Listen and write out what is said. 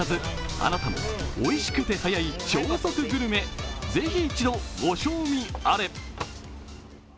あなたもおいしくて速い超速グルメ、ぜひ一度ご賞味あれ。